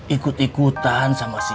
ikut ikutan sama si